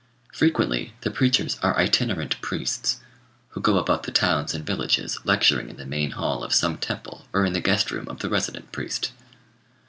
Frequently the preachers are itinerant priests, who go about the towns and villages lecturing in the main hall of some temple or in the guest room of the resident priest.